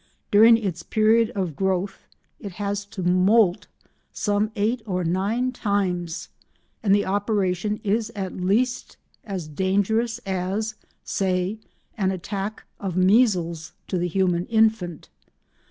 During its period of growth it has to moult some eight or nine times, and the operation is at least as dangerous as, say, an attack of measles to the human infant.